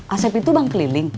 asep itu bang keliling